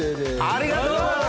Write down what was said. ありがとうございます！